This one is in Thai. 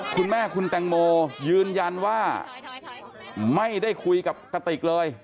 คุณแม่คุณแตงโมยืนยันว่าไม่ได้คุยกับกติกเลย